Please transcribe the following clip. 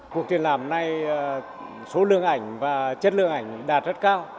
cuộc triển lãm này số lượng ảnh và chất lượng ảnh đạt rất cao